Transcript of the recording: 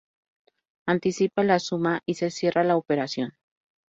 Anticipa la suma y se cierra la operación